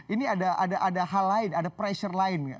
ini ada hal lain ada pressure lain nggak